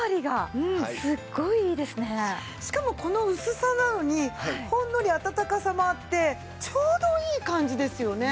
しかもこの薄さなのにほんのり暖かさもあってちょうどいい感じですよね。